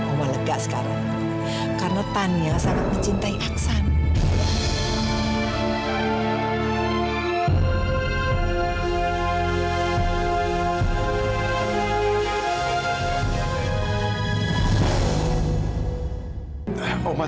oma lega sekarang karena tania sangat mencintai aksan